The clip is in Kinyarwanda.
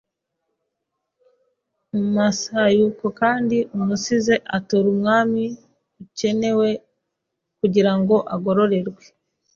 Mu musayuko kandi umusizi atura umwami uukene we kugira ngo agororerwe